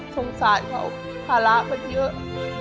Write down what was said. สงสารเขาภาระมันเยอะ